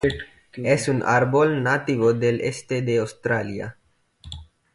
Es un árbol nativo del este de Australia.